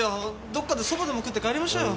どっかで蕎麦でも食って帰りましょうよ。